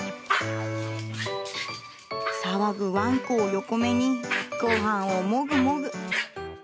騒ぐわんこを横目に、ごはんをもぐもぐ。